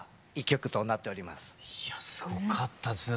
いやすごかったですね。